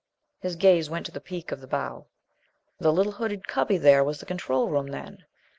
His gaze went to the peak of the bow. The little hooded cubby there was the control room, then.